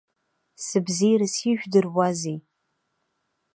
Сыбзеирас ижәдыруазеи?!